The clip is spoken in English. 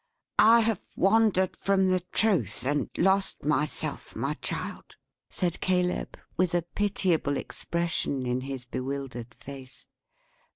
"I have wandered from the Truth and lost myself, my child," said Caleb, with a pitiable expression in his bewildered face.